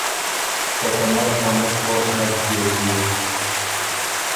که ته نر ا مُخ وه نک ديېک بیوک